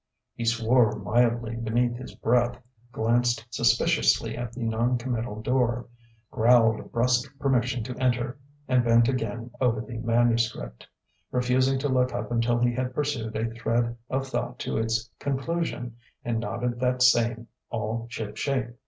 He swore mildly beneath his breath, glanced suspiciously at the non committal door, growled brusque permission to enter, and bent again over the manuscript, refusing to look up until he had pursued a thread of thought to its conclusion, and knotted that same all ship shape.